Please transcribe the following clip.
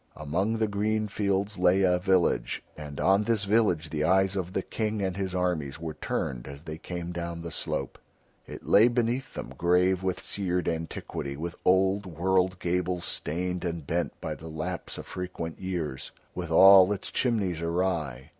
Among the green fields lay a village, and on this village the eyes of the King and his armies were turned as they came down the slope. It lay beneath them, grave with seared antiquity, with old world gables stained and bent by the lapse of frequent years, with all its chimneys awry.